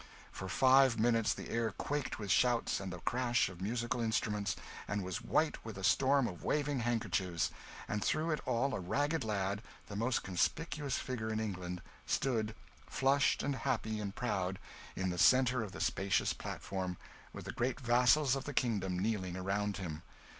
For five minutes the air quaked with shouts and the crash of musical instruments, and was white with a storm of waving handkerchiefs; and through it all a ragged lad, the most conspicuous figure in England, stood, flushed and happy and proud, in the centre of the spacious platform, with the great vassals of the kingdom kneeling around him.